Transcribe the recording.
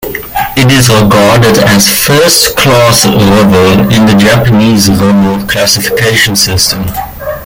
It is regarded as a "first class river" in the Japanese river classification system.